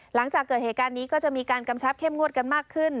หลังจากเกิดเหตุการณ์นี้ก็จะมีการกำชับเข้มงวดกันมากขึ้น